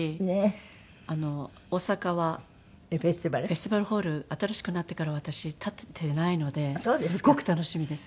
フェスティバルホール新しくなってから私立ててないのですごく楽しみです。